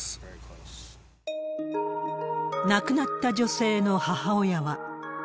亡くなった女性の母親は。